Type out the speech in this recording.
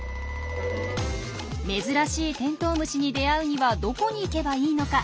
珍しいテントウムシに出会うにはどこに行けばいいのか？